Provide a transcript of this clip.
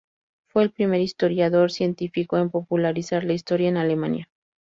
Fue el primer historiador científico en popularizar la historia en Alemania.